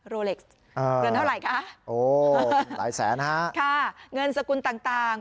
โรเล็กซ์เงินเท่าไหร่คะโอ้หลายแสนฮะค่ะเงินสกุลต่างต่าง